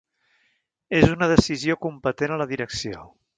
És una decisió competent a la direcció.